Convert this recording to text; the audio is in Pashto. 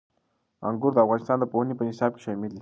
انګور د افغانستان د پوهنې په نصاب کې شامل دي.